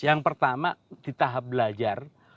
yang pertama di tahap belajar